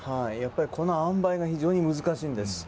このあんばいが非常に難しいんです。